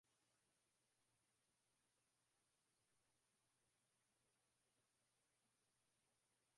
Waturuki wa Meskhetian waliupa ulimwengu haiba maarufu